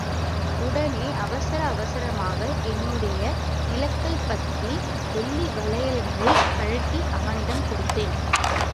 உடனே அவசர அவசரமாக என்னுடைய நீலக்கல் பதித்த வெள்ளி வளையல்களைக் கழட்டி அவனிடம் கொடுத்தேன்.